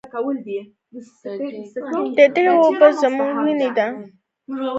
د دې اوبه زموږ وینه ده